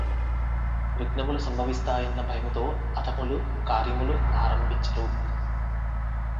విఘ్నములు సంభవిస్తాయన్న భయముతో అధములు కార్యములు ఆరంభించరు